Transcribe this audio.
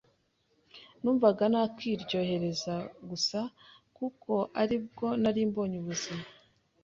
numvaga nakwiryohereza gusa kuko ari bwo nari mbonye ubuzima